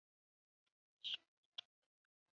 比较已知的光度。